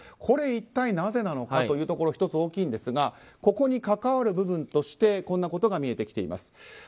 これ、一体なぜなのかというところ１つ大きいんですがここに関わる部分としてこんなことが見えてきています。